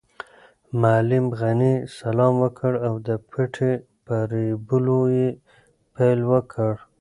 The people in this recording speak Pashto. معلم غني سلام وکړ او د پټي په رېبلو یې پیل وکړ.